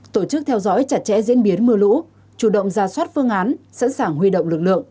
tổ chức theo dõi chặt chẽ diễn biến mưa lũ chủ động ra soát phương án sẵn sàng huy động lực lượng